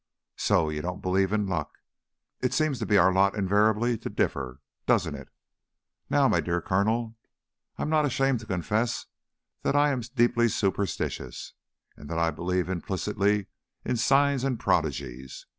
"So? You don't believe in luck? It seems to be our lot invariably to differ, doesn't it? Now, my dear Colonel, I'm not ashamed to confess that I am deeply superstitious, and that I believe implicitly in signs and prodigies.